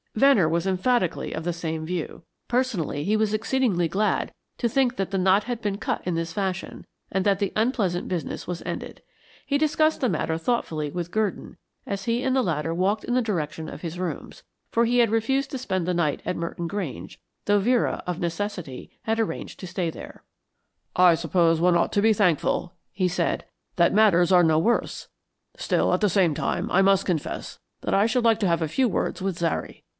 Venner was emphatically of the same view; personally, he was exceedingly glad to think that the knot had been cut in this fashion and that the unpleasant business was ended. He discussed the matter thoughtfully with Gurdon as he and the latter walked in the direction of his rooms, for he had refused to spend the night at Merton Grange, though Vera, of necessity, had arranged to stay there. "I suppose one ought to be thankful," he said, "that matters are no worse. Still, at the same time, I must confess that I should like to have a few words with Zary.